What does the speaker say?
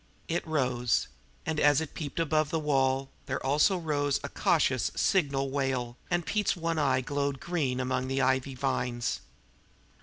It rose; and, as it peeped above the wall, there also rose a cautious signal wail, and Pete's one eye glowed green among the ivy vines.